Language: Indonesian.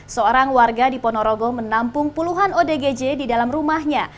seorang warga di ponorogo menampung puluhan odgj di dalam rumahnya